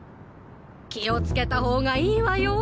気をつけた方がいいわよ。